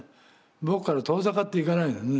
僕から遠ざかっていかないんですね。